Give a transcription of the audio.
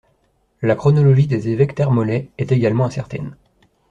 La chronologie des évêques termolais est également incertaine.